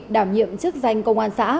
đảm nhiệm chức danh công an xã